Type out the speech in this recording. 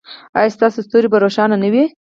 ایا ستاسو ستوری به روښانه وي؟